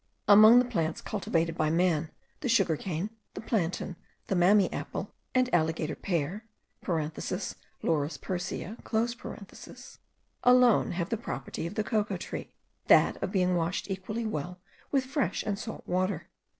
Among the plants cultivated by man, the sugar cane, the plantain, the mammee apple, and alligator pear (Laurus persea), alone have the property of the cocoa tree; that of being watered equally well with fresh and salt water.